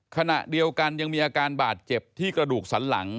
ขณะเดียวกันยังมีอาการบาดเจ็บที่กระดูกสันหลัง